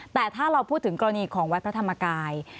แต่ถ้าเราพูดถึงกรณีของวัดพระธรรมกาย